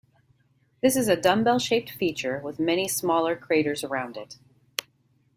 This is a dumbbell-shaped feature, with many smaller craters around it.